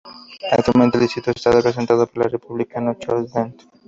Actualmente el distrito está representado por el Republicano Charles Dent.